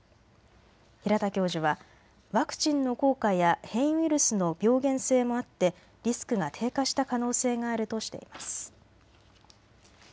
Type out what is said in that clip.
平田教授はワクチンの効果や変異ウイルスの病原性もあってリスクが低下した可能性があるとしています。